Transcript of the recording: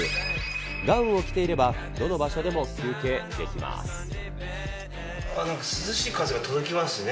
ガウンを着ていれば、どの場所で涼しい風が届きますね。